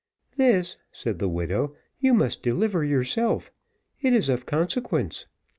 "This," said the widow, "you must deliver yourself it is of consequence.